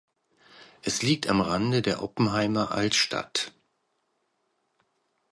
Es liegt am Rande der Oppenheimer Altstadt.